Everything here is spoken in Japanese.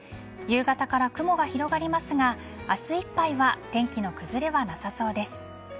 夕方から雲が広がりますが明日いっぱいは天気の崩れはなさそうです。